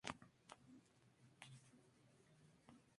Actualmente trabaja en la selección de fútbol de Polonia.